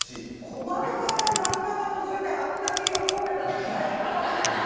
小窓から旦那がのぞいてあんだけ喜べたら最高よ。